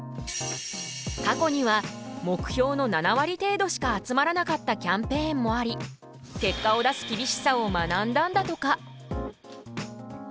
過去には目標の７割程度しか集まらなかったキャンペーンもあり結果を出す厳しさを学んだんだとか。